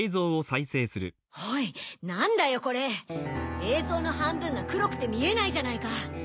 おい何だよこれ！？映像の半分が黒くて見えないじゃないか。